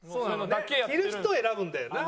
着る人を選ぶんだよな。